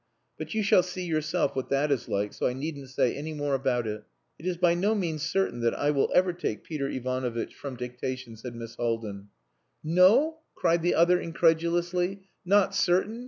But you shall see yourself what that is like, so I needn't say any more about it." "It is by no means certain that I will ever take Peter Ivanovitch from dictation," said Miss Haldin. "No!" cried the other incredulously. "Not certain?